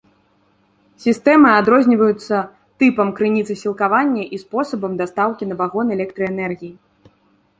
Сістэмы адрозніваюцца тыпам крыніцы сілкавання і спосабам дастаўкі на вагон электраэнергіі.